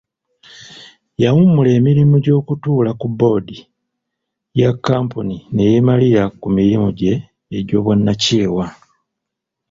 Yawummula emirimu gy'okutuula ku boodi ya kkampuni ne yeemalira ku mirimu gye egy'obwannakyewa.